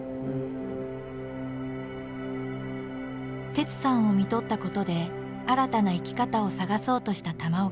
哲さんをみとったことで新たな生き方を探そうとした玉置。